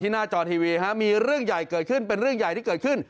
หน้าจอทีวีมีเรื่องใหญ่เกิดขึ้นเป็นเรื่องใหญ่ที่เกิดขึ้น